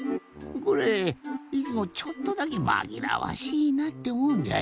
これいつもちょっとだけまぎらわしいなっておもうんじゃよ。